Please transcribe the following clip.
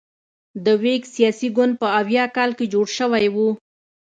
د ویګ سیاسي ګوند په اویا کال کې جوړ شوی و.